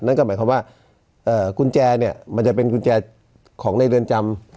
นั่นก็หมายความว่ากุญแจเนี่ยมันจะเป็นกุญแจของในเรือนจำ